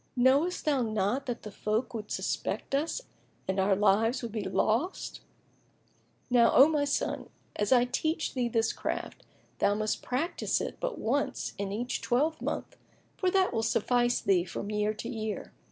Knowest thou not that the folk would suspect us and our lives would be lost? Now, O my son, an I teach thee this craft, thou must practise it but once in each twelvemonth; for that will suffice thee from year to year."